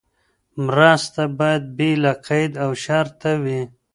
مرسته باید بې له قید او شرطه وي.